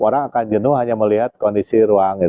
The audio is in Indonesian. orang akan jenuh hanya melihat kondisi ruang